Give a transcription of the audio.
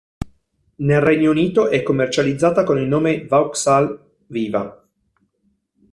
Nel Regno Unito è commercializzata con il nome Vauxhall Viva.